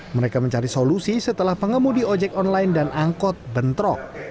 mereka mencari solusi setelah pengemudi ojek online dan angkot bentrok